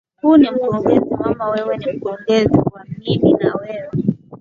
huyu ni mkurugenzi mama wewe ni mkurugenzi wa nini na wewe